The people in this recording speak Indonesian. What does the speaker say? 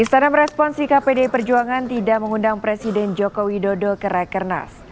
istana meresponsi kpd perjuangan tidak mengundang presiden jokowi dodo ke rakernas